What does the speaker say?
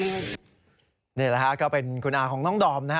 นี่แหละฮะก็เป็นคุณอาของน้องดอมนะฮะ